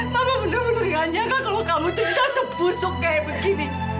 mama bener bener gak nyangka kalau kamu tuh bisa sepusuk kayak begini